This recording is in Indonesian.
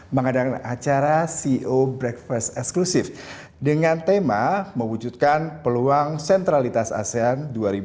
mengadakan acara ceo breakfast eksklusif dengan tema mewujudkan peluang sentralitas asean dua ribu dua puluh